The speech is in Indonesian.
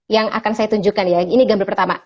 yang akan saya tunjukkan ya ini gambar pertama